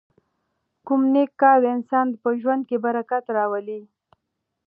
کوم نېک کار د انسان په ژوند کې برکت راولي؟